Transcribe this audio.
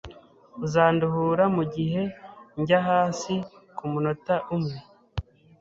Uzanduhura mugihe njya hasi kumunota umwe?